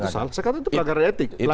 ya itu salah saya kata itu pelanggaran etik